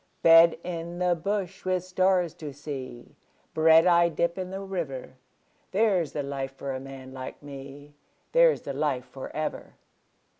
Bed in the bush with stars to see, Bread I dip in the river There's the life for a man like me, There's the life for ever.